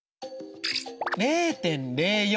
０．０４